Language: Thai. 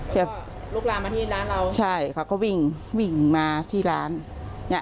จะลุกลามมาที่ร้านเราใช่เขาก็วิ่งวิ่งมาที่ร้านเนี้ย